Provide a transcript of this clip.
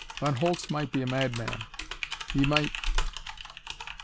Von Holtz might be a madman. He might....